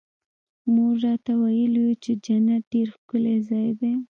مور راته ويلي وو چې جنت ډېر ښکلى ځاى دى.